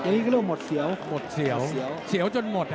นี่คือหมดเสียว